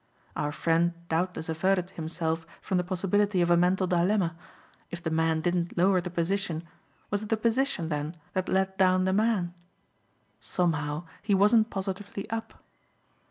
Our friend doubtless averted himself from the possibility of a mental dilemma; if the man didn't lower the position was it the position then that let down the man? Somehow he wasn't positively up.